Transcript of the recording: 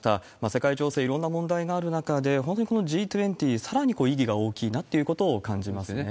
世界情勢、いろんな問題がある中で、本当にこのＧ２０、さらに意義が大きいなっていうことを感じますね。